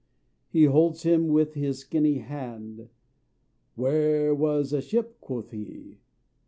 He holds him with his skinny hand, "There was a ship," quoth he.